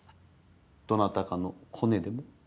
どなたかのコネでも？